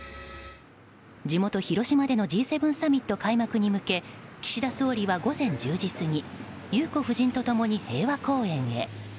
地元・広島でのＧ７サミット開幕に向け岸田総理は午前１０時過ぎ裕子夫人と共に平和公園へ。